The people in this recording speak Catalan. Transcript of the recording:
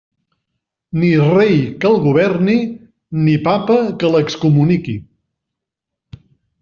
Ni rei que el governi, ni Papa que l'excomuniqui.